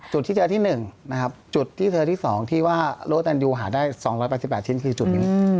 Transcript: จุดที่เจอที่๑นะครับจุดที่เจอที่๒ที่ว่าโลแนนยูหาได้๒๘๘ชิ้นคือจุดนี้